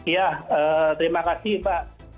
ya terima kasih pak